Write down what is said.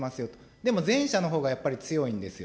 でも前者のほうがやっぱり強いんですよ。